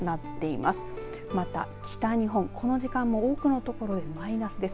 また北日本、この時間も多くの所でマイナスです。